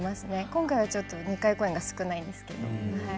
今回、２回公演は少ないんですけれど。